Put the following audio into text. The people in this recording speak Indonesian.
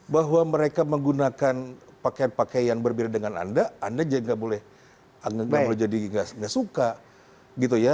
bahwa mereka menggunakan pakaian pakaian berbeda dengan anda anda nggak boleh jadi nggak suka